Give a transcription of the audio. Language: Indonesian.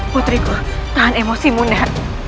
putriku tahan emosi bunda